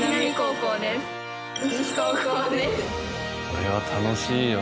これは楽しいわ。